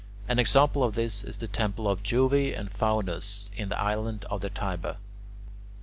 An example of this is the temple of Jove and Faunus in the Island of the Tiber. 4.